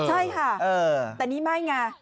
ใช่ค่ะแต่นี่ไม่ไง